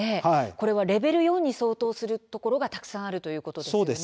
これはレベル４に相当するところがたくさんあるということですね。